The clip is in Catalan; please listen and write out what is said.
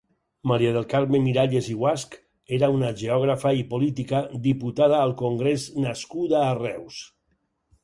Maria del Carme Miralles i Guasch és una geògrafa i política, diputada al Congrés nascuda a Reus.